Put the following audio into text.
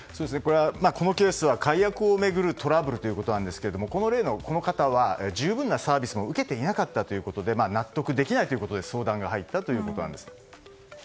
このケースは解約を巡るトラブルということですがこの例の方は十分なサービスも受けていなかったということで納得できないということで相談が入ったということなんです。